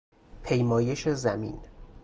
پیمایش زمین